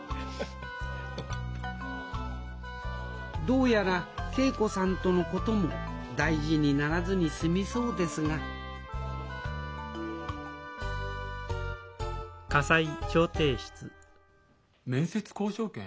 どうやら桂子さんとのことも大事にならずに済みそうですが面接交渉権？